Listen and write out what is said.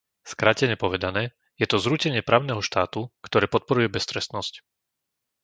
Skrátene povedané, je to zrútenie právneho štátu, ktoré podporuje beztrestnosť.